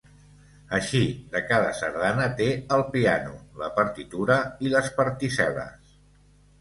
Així, de cada sardana té el piano, la partitura i les particel·les.